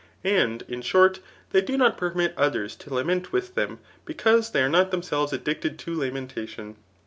And, in short, thof do not permit others to lament with them, because thop are not tbeoifielves addicted to lamentation.